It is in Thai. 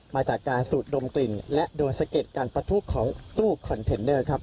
มาจากการสูดดมกลิ่นและโดนสะเก็ดการประทุของตู้คอนเทนเนอร์ครับ